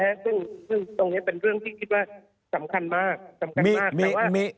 เพราะฉะนั้นตรงนี้เป็นเรื่องที่คิดว่าสำคัญมากสำคัญมาก